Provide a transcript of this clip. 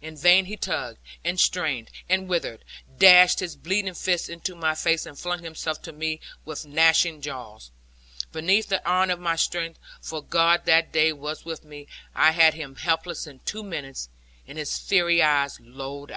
In vain he tugged, and strained, and writhed, dashed his bleeding fist into my face, and flung himself on me with gnashing jaws. Beneath the iron of my strength for God that day was with me I had him helpless in two minutes, and his fiery eyes lolled out.